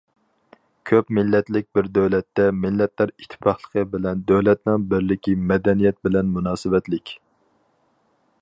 كۆپ مىللەتلىك بىر دۆلەتتە مىللەتلەر ئىتتىپاقلىقى بىلەن دۆلەتنىڭ بىرلىكى مەدەنىيەت بىلەن مۇناسىۋەتلىك.